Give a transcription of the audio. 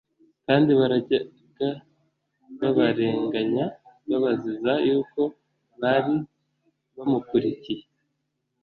kandi barajyaga babarenganya babaziza yuko bari bamukurikiye.